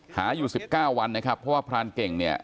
หาอยู่๑๙วันนะครับเพราะว่าพรานเก่งเนี่ย